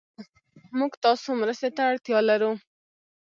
موږ تاسو مرستې ته اړتيا لرو